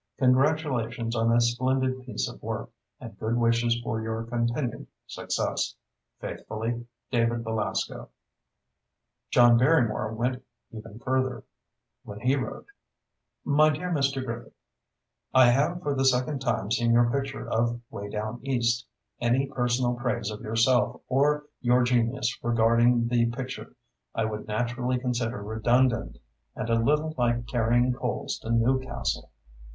Congratulations on a splendid piece of work, and good wishes for your continued success. Faithfully, DAVID BELASCO John Barrymore went even further, when he wrote: My dear Mr. Griffith: I have for the second time seen your picture of "Way Down East." Any personal praise of yourself or your genius regarding the picture I would naturally consider redundant and a little like carrying coals to Newcastle....